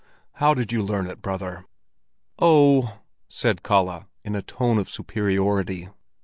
How did you learn it, brother?" "Oh," said Kalle, in a tone of superiority.